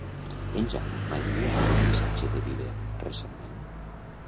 En Jan m'ha enviat algun missatge de Viber recentment?